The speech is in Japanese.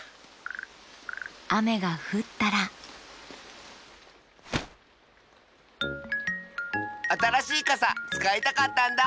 あめがふったらあたらしいかさつかいたかったんだ！